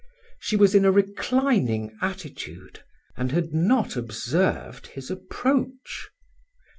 She was in a reclining attitude, and had not observed his approach.